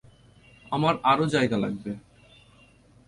আমার আরো জায়গা লাগবে।